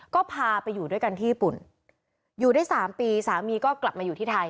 ก็พาไปอยู่ด้วยกันที่ญี่ปุ่นอยู่ได้สามปีสามีก็กลับมาอยู่ที่ไทย